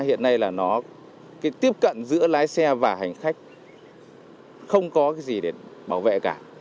hiện nay là nó tiếp cận giữa lái xe và hành khách không có gì để bảo vệ cả